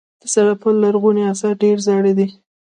د سرپل لرغوني اثار ډیر زاړه دي